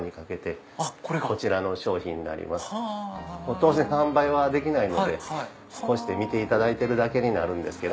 当然販売はできないのでこうして見ていただいてるだけになるんですけど。